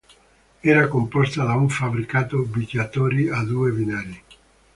Era composta da un fabbricato viaggiatori e due binari.